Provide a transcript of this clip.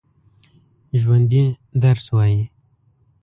ژوندي درس وايي